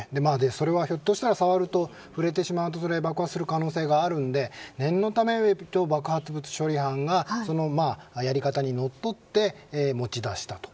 それは、ひょっとしたら触ると爆発する可能性があるので念のため爆発物処理班がやり方にのっとって持ち出したと。